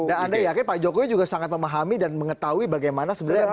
dan anda yakin pak jokowi juga sangat memahami dan mengetahui bagaimana sebenarnya